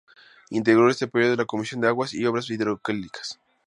Integró en este período la Comisión de Aguas y Obras Hidráulicas.